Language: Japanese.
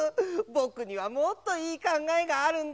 ぼくにはもっといいかんがえがあるんだ。